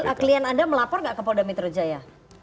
oke jadi klien anda melapor gak ke polda metro jaya